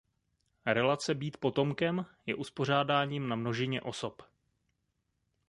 Relace "Být potomkem" je uspořádáním na množině osob.